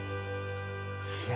いや。